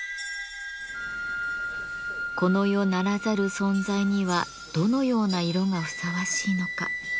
この世ならざる存在にはどのような色がふさわしいのか。